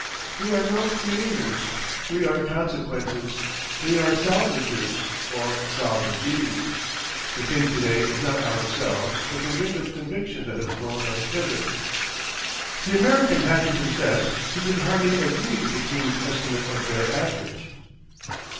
We are no creators, we are consequences, we are salvagers—or salvagees. The thing to day is not ourselves but the wind of conviction that has blown us hither....' The American had to confess he could hardly agree with the king's estimate of their average.